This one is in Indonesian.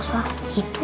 ustaz lu sana bencana